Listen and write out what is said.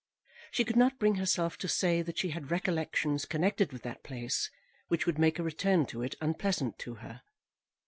She could not bring herself to say that she had recollections connected with that place which would make a return to it unpleasant to her.